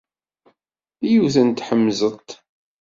Yiwet n tḥemẓet.